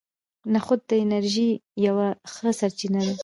نخود د انرژۍ یوه ښه سرچینه ده.